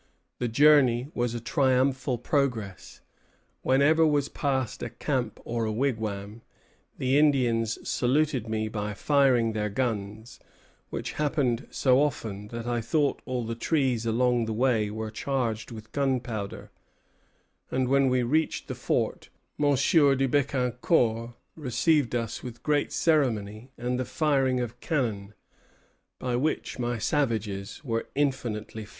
The journey was a triumphal progress. "Whenever was passed a camp or a wigwam, the Indians saluted me by firing their guns, which happened so often that I thought all the trees along the way were charged with gunpowder; and when we reached the fort, Monsieur de Becancour received us with great ceremony and the firing of cannon, by which my savages were infinitely flattered."